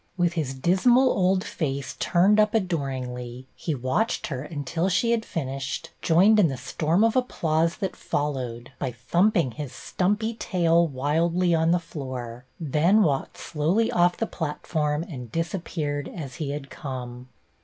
With his dismal old face turned up adoringly, he watched her until she had fin ished, joined in the storm of applause that followed, by thumping his stumpy tail wildly on the floor, then walked slowly off the 2Dlatform and disappeared as he had come.